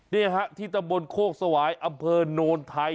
นี่ฮะที่ตำบลโคกสวายอำเภอโนนไทย